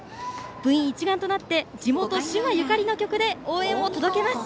部員一丸となって地元・滋賀ゆかりの曲で応援を届けます。